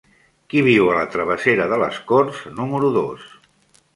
Qui viu a la travessera de les Corts número dos?